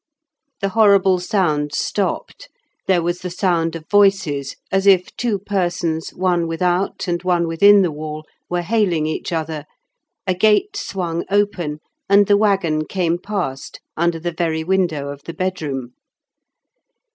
The horrible sounds stopped; there was the sound of voices, as if two persons, one without and one within the wall, were hailing each other; a gate swung open, and the waggon came past under the very window of the bedroom.